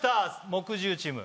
木１０チーム。